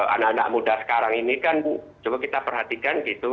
anak anak muda sekarang ini kan coba kita perhatikan gitu